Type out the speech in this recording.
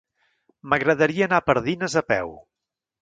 M'agradaria anar a Pardines a peu.